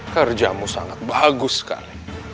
kerjamu sangat bagus sekali